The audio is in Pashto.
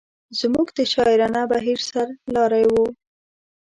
زموږ د شاعرانه بهیر سر لاری و.